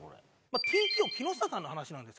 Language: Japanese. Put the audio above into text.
ＴＫＯ木下さんの話なんですけど。